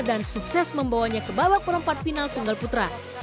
dan sukses membawanya ke babak perempat final tunggal putra